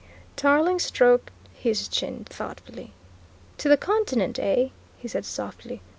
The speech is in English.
Tarling stroked his chin thoughtfully. "To the Continent, eh?" he said softly.